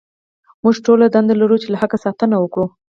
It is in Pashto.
موږ ټول دنده لرو چې له حق ساتنه وکړو.